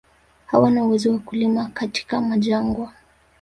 Hawana uwezo wa kulima katika majangwa